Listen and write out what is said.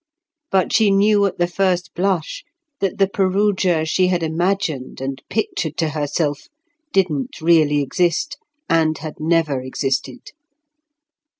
But she knew at the first blush that the Perugia she had imagined and pictured to herself didn't really exist and had never existed.